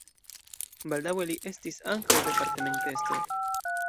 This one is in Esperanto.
Baldaŭe li estis ankaŭ departementestro.